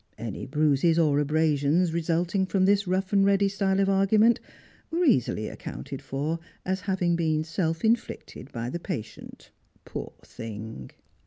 Any bruises or abrasions re sulting from this rough and ready style of argument were easily accounted for as having been self inflicted by the patient, " poor thing."